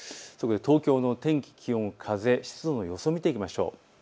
東京の天気、気温、風、湿度の予想を見ていきましょう。